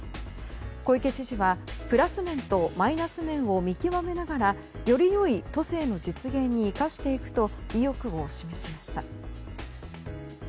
小池知事はプラス面とマイナス面を見極めながらより良い都政の実現に生かしていくと意欲を示しました。